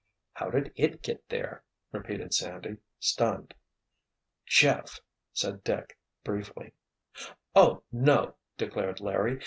"How did it get there?" repeated Sandy, stunned. "Jeff!" said Dick, briefly. "Oh, no!" declared Larry.